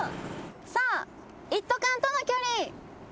さあ一斗缶との距離。